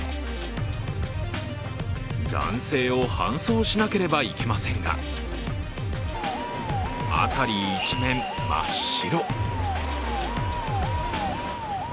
男性を搬送しなければいけませんが辺り一面、真っ白。